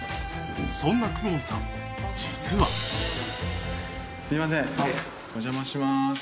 そんなクオンさん実は。すいませんお邪魔します。